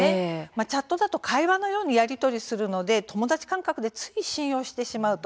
チャットだと会話のようにやり取りするので友達感覚でつい信用してしまうと。